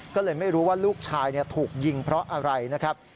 ก็เลยไม่รู้ว่าลูกชายถูกยิงเพราะอะไรนะครับ